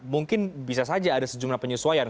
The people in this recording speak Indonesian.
mungkin bisa saja ada sejumlah penyesuaian